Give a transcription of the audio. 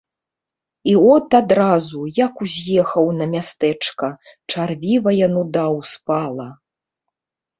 І от адразу, як уз'ехаў на мястэчка, чарвівая нуда ўспала.